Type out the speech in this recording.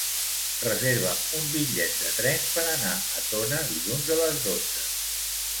Reserva'm un bitllet de tren per anar a Tona dilluns a les dotze.